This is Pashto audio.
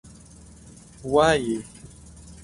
وایي.